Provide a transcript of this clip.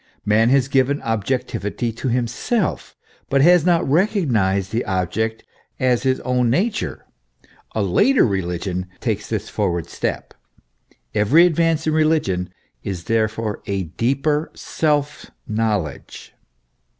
Man has given objectivity to himself, but has not recognised the object as his own nature : a later religion takes this forward step; every advance in religion is therefore a deeper self knowledge.